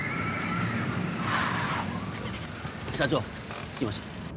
社長着きました。